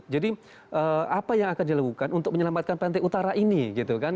jadi apa yang akan dilakukan untuk menyelamatkan pantai utara ini gitu kan